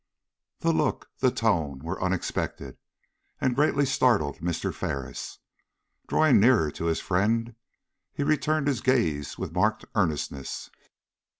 The look, the tone, were unexpected, and greatly startled Mr. Ferris. Drawing nearer to his friend, he returned his gaze with marked earnestness.